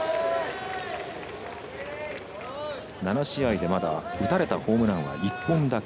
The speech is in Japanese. ７試合でまだ打たれたホームランは１本だけ。